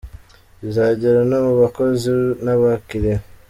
bizagera no mu bakozi n’abakiliya.